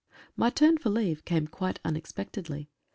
Y turn for leave came quite unexpectedly.